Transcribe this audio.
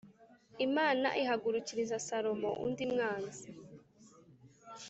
Imana ihagurukiriza Salomo undi mwanzi